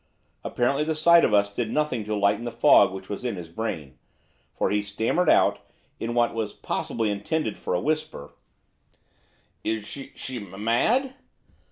Apparently the sight of us did nothing to lighten the fog which was in his brain, for he stammered out, in what was possibly intended for a whisper, 'Is is she m mad?